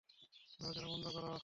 নড়াচড়া বন্ধ কর!